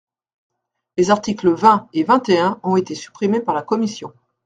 Les articles vingt et vingt et un ont été supprimés par la commission.